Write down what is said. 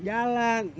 iya kalau nelpon